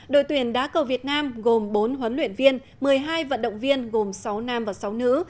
đội tuyển đá cầu việt nam gồm bốn huấn luyện viên một mươi hai vận động viên gồm sáu nam và sáu nữ